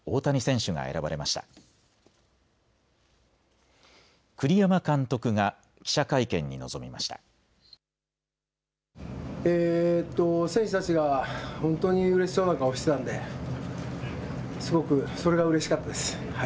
選手たちが本当にうれしそうな顔をしていたのですごく、それがうれしかったです。